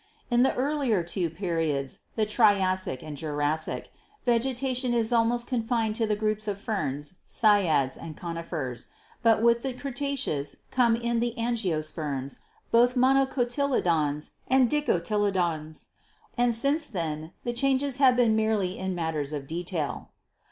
In the earlier two periods, the Triassic and Jurassic, vegetation is almost confined to the groups of 'Ferns,' 'Cycads' and 'Conifers/ but with the Cretaceous come in the 'Angiosperms,' both 'Monocotyle dons' and 'Dicotyledons,' and since then the changes have been merely in matters of detail.